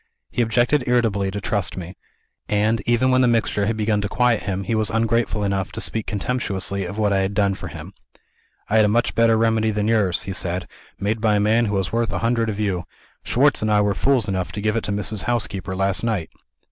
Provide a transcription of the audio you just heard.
He objected irritably to trust me; and, even when the mixture had begun to quiet him, he was ungrateful enough to speak contemptuously of what I had done for him. 'I had a much better remedy than yours,' he said, 'made by a man who was worth a hundred of you. Schwartz and I were fools enough to give it to Mrs. Housekeeper, last night.'